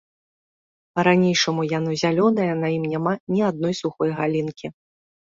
Па-ранейшаму яно зялёнае, на ім няма ні адной сухой галінкі.